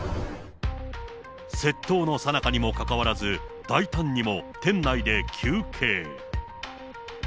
窃盗のさなかにもかかわらず、大胆にも店内で休憩。